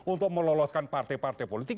untuk meloloskan partai partai politik